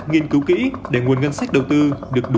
nghiên cứu kỹ để nguồn ngân sách đầu tư được đủ